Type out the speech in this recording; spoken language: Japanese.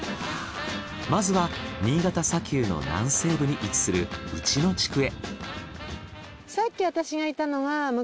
まずは新潟砂丘の南西部に位置する内野地区へ。